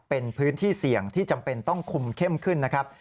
เป็นพื้นที่เสี่ยงที่จำเป็นต้องคุมเข้มขึ้นนะครับ